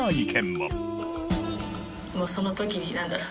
もうその時になんだろう